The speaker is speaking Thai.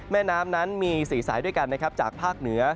แม่น้ำนั้นมี๔สายด้วยกันนะครับจากภาคเหนือ